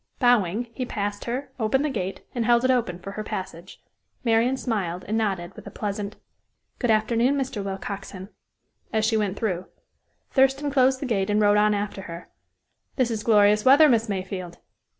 Bowing, he passed her, opened the gate, and held it open for her passage. Marian smiled, and nodded with a pleasant: "Good afternoon, Mr. Willcoxen," as she went through, Thurston closed the gate and rode on after her. "This is glorious weather, Miss Mayfield."